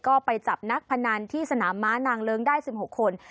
ก็ไปจับนักพนันที่สนามม้านางเลิ้งได้๑๖คน